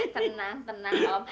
tenang tenang om